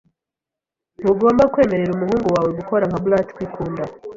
Ntugomba kwemerera umuhungu wawe gukora nka brat kwikunda.